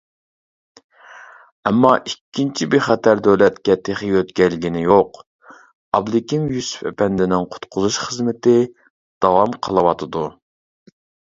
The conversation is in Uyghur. ئەمما ئىككىنچى بىخەتەر دۆلەتكە تېخى يۆتكەلگىنى يوق، ئابلىكىم يۈسۈپ ئەپەندىنىڭ قۇتقۇزۇش خىزمىتى داۋام قىلىۋاتىدۇ.